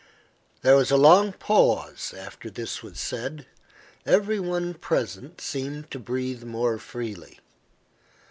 There was a long pause after this was said; every one present seemed to breathe more freely.